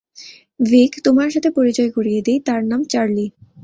ভিক তোমার সাথে পরিচয় করিয়ে দেই, তার নাম চার্লি।